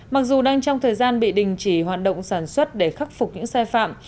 mặc dù đang trong thời gian bị đình chỉ hoạt động sản xuất để khắc phục những sai phạm